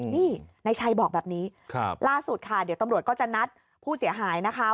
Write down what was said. นี่นายชัยบอกแบบนี้ล่าสุดค่ะเดี๋ยวตำรวจก็จะนัดผู้เสียหายนะคะ